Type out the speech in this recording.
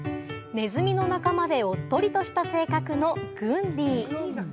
ネズミの仲間で、おっとりとした性格のグンディ。